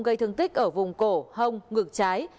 gây thương tích ở vùng cổ hông ngược trái